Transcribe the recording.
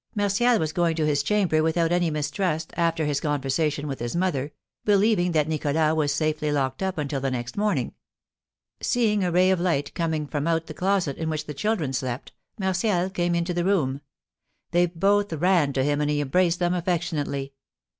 Martial was going to his chamber, without any mistrust, after his conversation with his mother, believing that Nicholas was safely locked up until the next morning. Seeing a ray of light coming from out the closet in which the children slept, Martial came into the room. They both ran to him, and he embraced them affectionately.